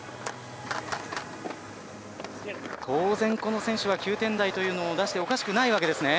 当然この選手は９点台というのを出しておかしくないわけですね。